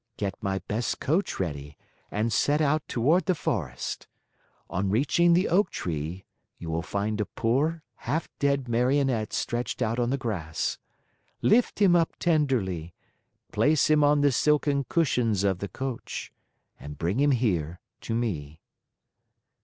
"Get my best coach ready and set out toward the forest. On reaching the oak tree, you will find a poor, half dead Marionette stretched out on the grass. Lift him up tenderly, place him on the silken cushions of the coach, and bring him here to me."